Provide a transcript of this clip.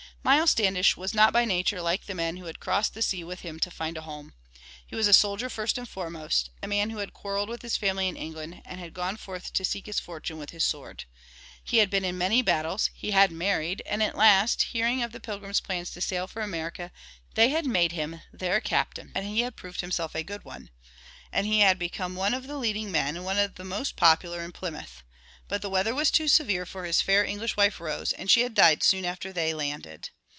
Miles Standish was not by nature like the men who had crossed the sea with him to find a home. He was a soldier first and foremost, a man who had quarreled with his family in England and gone forth to seek his fortune with his sword. He had been in many battles, he had married, and at last, hearing of the Pilgrims' plans to sail for America he had decided to throw in his lot with theirs. They had made him their captain and he had proved himself a good one, and he had become one of the leading men, and one of the most popular in Plymouth. But the weather was too severe for his fair English wife Rose, and she had died soon after they landed.